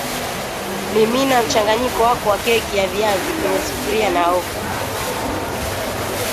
mimina mchanganyiko wako wa keki ya viazi kwenye sufuria na oka